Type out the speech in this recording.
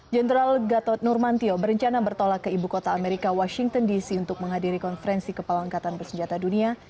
jenderal gatot nurmantio berencana bertolak ke ibu kota amerika washington dc untuk menghadiri konferensi kepala angkatan bersenjata dunia